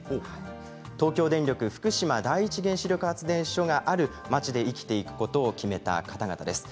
東京電力福島第一原子力発電所がある町で生きていくことを決めた方々です。